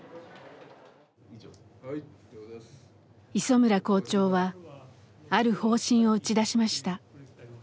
磯村校長はある方針を打ち出しました。